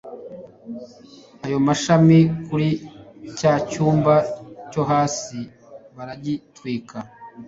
ayo mashami kuri cya cyumba cyo hasi baragitwika